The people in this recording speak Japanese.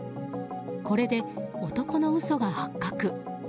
これで男の嘘が発覚。